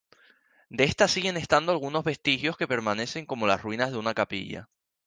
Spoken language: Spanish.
De esta siguen estando algunos vestigios que permanecen como las ruinas de una capilla.